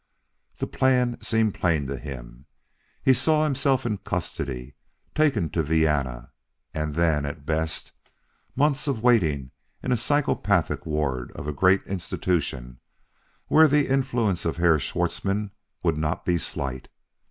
The plan seemed plain to him. He saw himself in custody; taken to Vienna. And then, at the best, months of waiting in the psychopathic ward of a great institution where the influence of Herr Schwartzmann would not be slight.